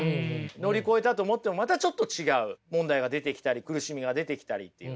乗り越えたと思ってもまたちょっと違う問題が出てきたり苦しみが出てきたりっていう。